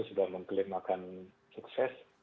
sudah mengklaim akan sukses